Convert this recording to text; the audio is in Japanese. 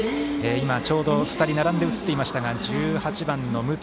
今、ちょうど２人、並んで映っていましたが１８番の武藤